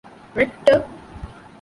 ރެކްޓަރ